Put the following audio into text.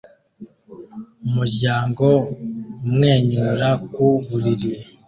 Umuryango umwenyura ku buriri